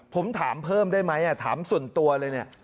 ผมถามเพิ่มได้ไหมถามส่วนตัวเลยเนี่ย